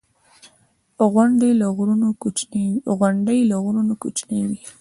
• غونډۍ له غرونو کوچنۍ وي.